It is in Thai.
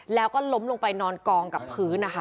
แล้วก็ล้มลงไปนอนกองกับพื้นนะคะ